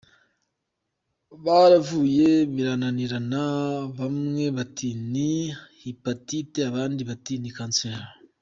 Baravuye birananirana bamwe bati ni hepatite abandi bati ni cancer.